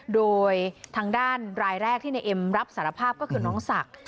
โดยทางด้านรายแรกที่ในเอ็มรับสารภาพก็คือน้องศักดิ์